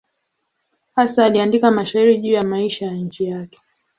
Hasa aliandika mashairi juu ya maisha ya nchi yake.